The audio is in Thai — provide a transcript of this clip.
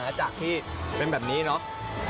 จากที่เป็นแบบนี้เนาะ